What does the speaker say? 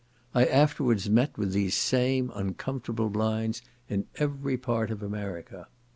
I afterwards met with these same uncomfortable blinds in every part of America.